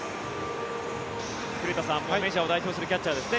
古田さん、メジャーを代表するキャッチャーですね。